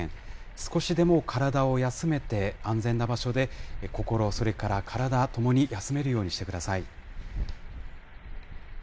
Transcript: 少しでも体を休めて、安全な場所で心、それから体、ともに休めるようにしてください。